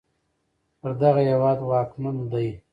پر دغه هېواد واکمن دی